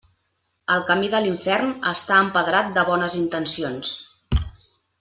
El camí de l'infern està empedrat de bones intencions.